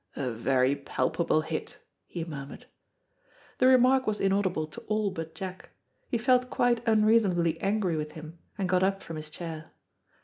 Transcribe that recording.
"A very palpable hit," he murmured. The remark was inaudible to all but Jack. He felt quite unreasonably angry with him, and got up from his chair.